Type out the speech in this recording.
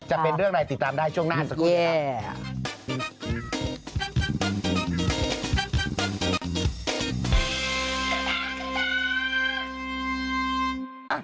จะเป็นเรื่องอะไรติดตามได้ช่วงหน้าสักครู่